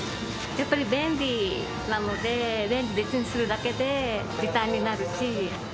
やっぱり便利なので、レンジでチンするだけで、時短になるし。